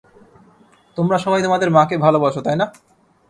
তোমরা সবাই তোমাদের মা কে ভালোবাসো, তাই না?